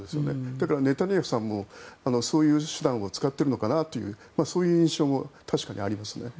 だからネタニヤフさんもそういう手段を使っているのかなというそういう印象も確かにありますね。